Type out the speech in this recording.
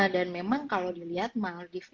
dan memang kalau dilihat maldives